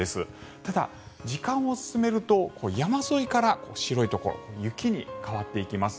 ただ、時間を進めると山沿いから白いところ雪に変わっていきます。